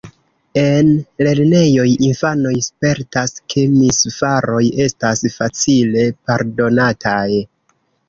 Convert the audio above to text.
En lernejoj infanoj spertas, ke misfaroj estas facile pardonataj.